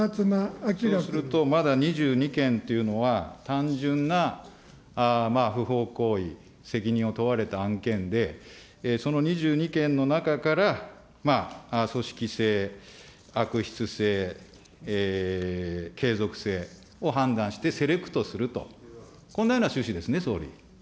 まだ２２件というのは、単純な不法行為、責任を問われた案件で、その２２件の中から、組織性、悪質性、継続性を判断してセレクトすると、こんなような趣旨ですね、総理。